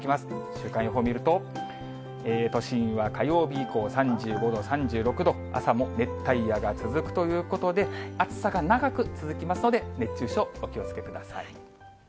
週間予報見ると、都心は火曜日以降、３５度、３６度、朝も熱帯夜が続くということで、暑さが長く続きますので、熱中症、お気をつけください。